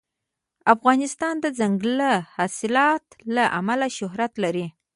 افغانستان د دځنګل حاصلات له امله شهرت لري.